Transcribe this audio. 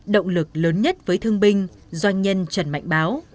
động lực lớn nhất với thương binh doanh nhân trần mạnh báo